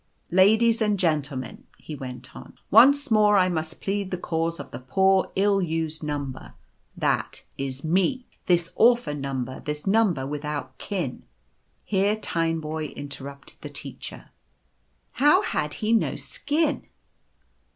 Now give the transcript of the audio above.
" c Ladies and Gentlemen/ he went on, c once more I must plead the cause of the poor ill used number — that is me — this orphan number — this number without kin »>> Here Tineboy interrupted the Teacher, " How had he no skin